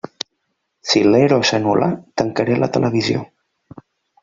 Si l'ERO s'anul·la, tancaré la televisió.